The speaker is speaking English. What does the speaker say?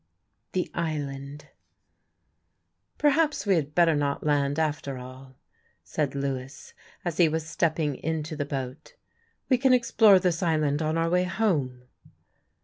THE ISLAND "Perhaps we had better not land after all," said Lewis as he was stepping into the boat; "we can explore this island on our way home."